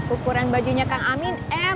ukuran bajunya kang amin eh